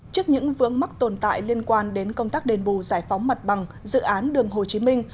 trước những vướng mắc tồn tại liên quan đến công tác đền bù giải phóng mặt bằng dự án đường hồ chí minh